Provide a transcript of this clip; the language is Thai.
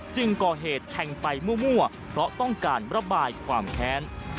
จึงก่อเหตุแทงไปมั่วเพราะต้องการระบายความแค้น